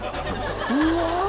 うわ！